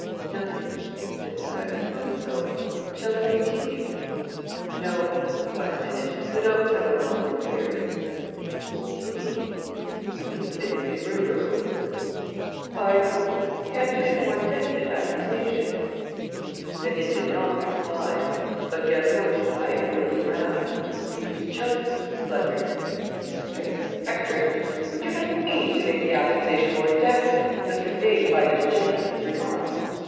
"Nothing," said Inspector Morisseau. "Shall we continue?" "No," replied Rénine, "The notes are no longer here." "What do you mean?" "I mean that they have been removed." "By whom? Can't you make a more definite accusation?" Rénine did not reply. But Gaston Dutreuil wheeled round. He was choking and spluttered: "Mr. Inspector, would you like me to make the accusation more definite, as conveyed by this gentleman's remarks?